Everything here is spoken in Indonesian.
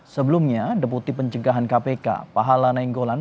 sebelumnya deputi pencegahan kpk pahala nainggolan